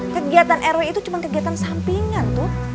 kegiatan rw itu cuma kegiatan sampingan tuh